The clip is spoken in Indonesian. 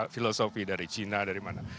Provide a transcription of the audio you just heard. filosofi dari cina dari mana